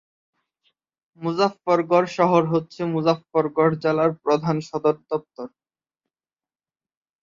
মুজাফফারগড় শহর হচ্ছে মুজাফফারগড় জেলার প্রধান সদর দপ্তর।